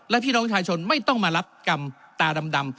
และพี่น้องประชาชนไม่ต้องมารับกรรมตาดำ